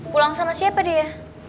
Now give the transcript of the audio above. pulang sama siapa dia